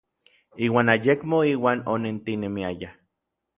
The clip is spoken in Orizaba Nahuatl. Iuan ayekmo iuan onentinemiayaj.